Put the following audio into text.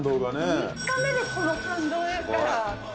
３か目でこの感動ですから。